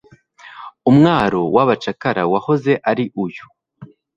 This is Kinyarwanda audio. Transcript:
Umwaro w'abacakara wahoze ari uyu